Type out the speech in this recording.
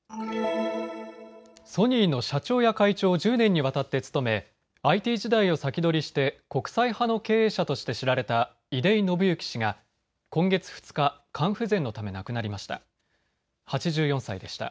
ソニーの社長や会長を１０年にわたって務めＩＴ時代を先取りして国際派の経営者として知られた出井伸之氏が今月２日、肝不全のため亡くなりました。